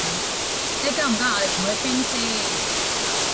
你夠唔夠牙力同佢傾先？